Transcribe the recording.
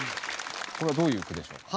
これはどういう句でしょうか？